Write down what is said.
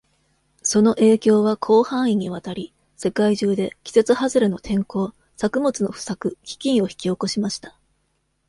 その影響は広範囲にわたり、世界中で季節外れの天候、作物の不作、飢饉を引き起こしました。